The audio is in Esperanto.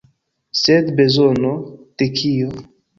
Sed, bezono de kio?